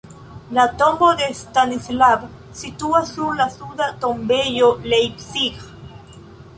La tombo de Stanislav situas sur la suda tombejo Leipzig.